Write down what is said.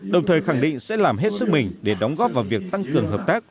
đồng thời khẳng định sẽ làm hết sức mình để đóng góp vào việc tăng cường hợp tác